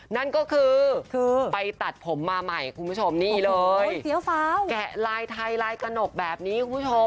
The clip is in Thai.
นั่นก็คือไปตัดผมมาใหม่คุณผู้ชมนี่เลยแกะลายไทยลายกระหนกแบบนี้คุณผู้ชม